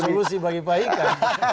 solusi bagi pak ika